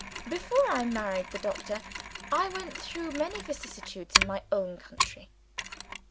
Before I married the Doctor, I went through many vicissitudes in my own country.